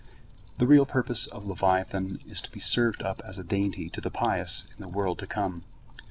The real purpose of leviathan is to be served up as a dainty to the pious in the world to come.